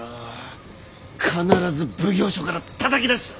必ず奉行所からたたき出してやる！